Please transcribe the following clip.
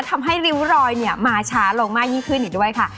ทำให้ริ้วรอยมาช้าลงมากยิ่งขึ้นอีกด้วยค่ะ